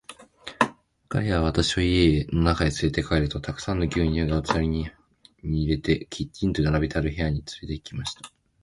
彼は私を家の中へつれて帰ると、たくさんの牛乳が器に入れて、きちんと綺麗に並べてある部屋へつれて行きました。